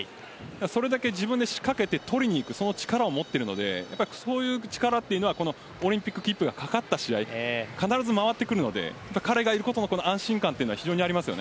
それだけ自分で仕掛ける、取りにいく力を持っているのでそういう力はオリンピックの切符がかかった試合必ず回ってくるので彼がいる安心感は非常にあります。